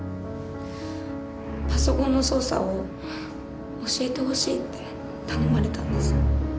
パソコンの操作を教えてほしいって頼まれたんです。